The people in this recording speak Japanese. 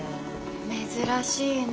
珍しいね。